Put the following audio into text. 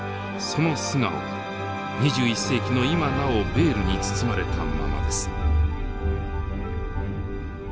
その素顔は２１世紀の今なおベールに包まれたままです。